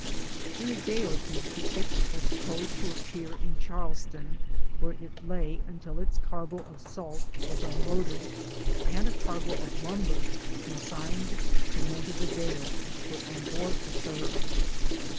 In a day or two the ship was towed to a pier in Charlestown, where it lay until its cargo of salt was unloaded and a cargo of lumber consigned to Montevideo was put on board of her.